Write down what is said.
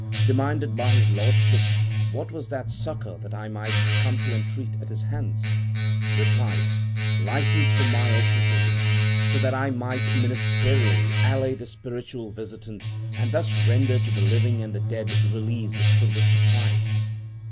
Demanded by his lordship, what was the succour that I had come to entreat at his hands? Replied, licence for my exorcism, that so I might, ministerially, allay this spiritual visitant, and thus render to the living and the dead release from this surprise.